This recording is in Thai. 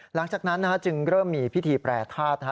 หลังจากนั้นจึงเริ่มมีพิธีแปรทาส